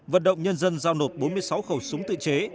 vận động nhân dân giao nộp bốn mươi sáu khẩu súng tự chế